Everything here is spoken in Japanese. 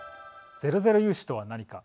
ゼロゼロ融資とは何か。